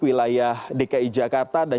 wilayah dki jakarta dan